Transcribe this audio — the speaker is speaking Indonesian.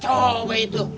lah coba itu